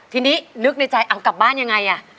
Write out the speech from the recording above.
ทีนี้นึกในใจเอากลับบ้านยังไงอ่ะ